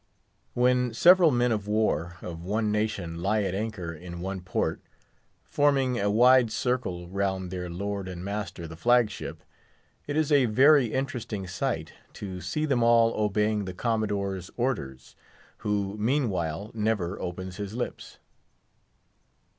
When several men of war of one nation lie at anchor in one port, forming a wide circle round their lord and master, the flag ship, it is a very interesting sight to see them all obeying the Commodore's orders, who meanwhile never opens his lips.